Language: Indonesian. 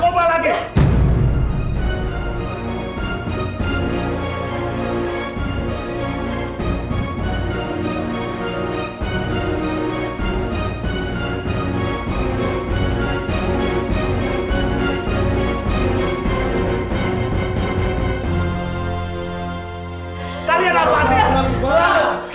udah banget kayak begitu